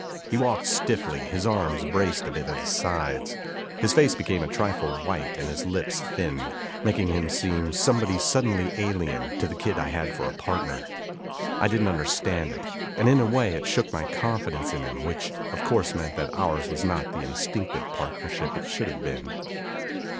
He walked stiffly, his arms braced a bit at his sides. His face became a trifle white and his lips thinned, making him seem somebody suddenly alien to the kid I had for a partner. I didn't understand it, and in a way it shook my confidence in him, which, of course, meant that ours was not the instinctive partnership it should have been.